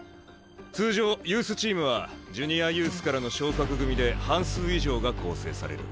通常ユースチームはジュニアユースからの昇格組で半数以上が構成される。